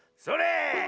それ！